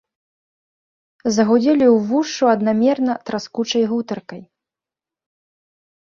Загудзелі ўвушшу аднамерна траскучай гутаркай.